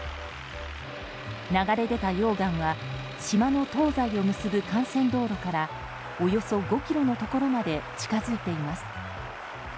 流れ出た溶岩は島の東西を結ぶ幹線道路からおよそ５ｋｍのところまで近づいています。